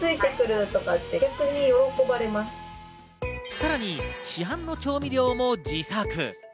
さらに市販の調味料も自作。